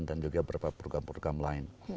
dan juga beberapa program program lain